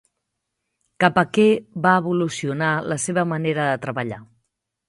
Cap a què va evolucionar la seva manera de treballar?